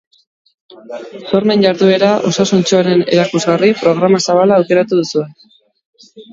Sormen jarduera osasuntsuaren erakusgarri, programa zabala aukeratu duzue.